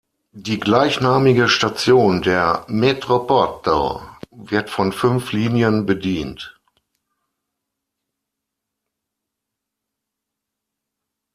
Die gleichnamige Station der Metro Porto wird von fünf Linien bedient.